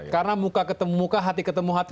karena muka ketemu muka hati ketemu hati